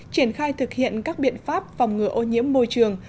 triển khai thực hiện các biện pháp phòng ngừa ô nhiễm môi trường